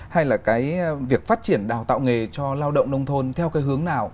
hay là cái việc phát triển đào tạo nghề cho lao động nông thôn theo cái hướng nào